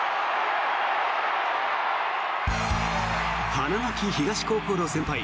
花巻東高校の先輩